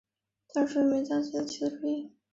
大将是日本将棋的棋子之一。